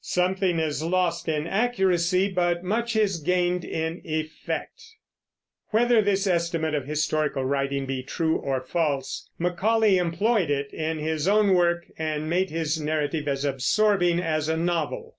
Something is lost in accuracy, but much is gained in effect." Whether this estimate of historical writing be true or false, Macaulay employed it in his own work and made his narrative as absorbing as a novel.